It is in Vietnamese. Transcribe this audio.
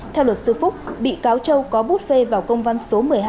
theo luật sư phúc bị cáo châu có bút phê vào công văn số một mươi hai